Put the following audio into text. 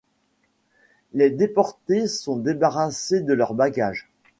Les déportés sont débarrassés de leurs bagages.